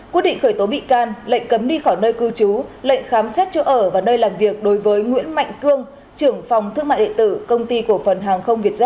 quyết định khởi tố bị can lệnh cấm đi khỏi nơi cư trú lệnh khám xét chỗ ở và nơi làm việc đối với nguyễn mạnh cương trưởng phòng thương mại đệ tử công ty cổ phần hàng không việt z